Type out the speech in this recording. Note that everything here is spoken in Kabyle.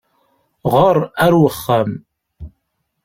Ɣeṛ ar wexxam!